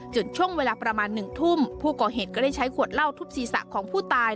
ช่วงเวลาประมาณ๑ทุ่มผู้ก่อเหตุก็ได้ใช้ขวดเหล้าทุบศีรษะของผู้ตาย